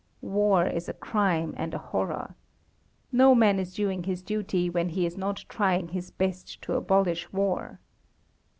War is a crime and a horror. No man is doing his duty when he is not trying his best to abolish war.